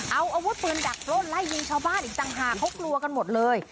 เอาอาวุธปืนดักปล้นไล่ยิงชาวบ้านอีกต่างหากเขากลัวกันหมดเลย